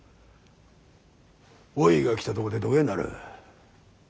おいが来たとこでどげんなる？